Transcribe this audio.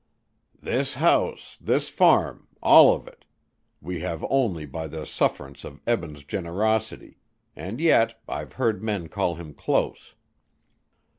"This house this farm all of it we have only by the sufferance of Eben's generosity, and yet I've heard men call him close."